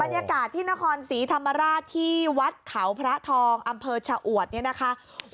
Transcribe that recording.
บรรยากาศที่นครศรีธรรมราชที่วัดเขาพระทองอำเภอชะอวดเนี่ยนะคะ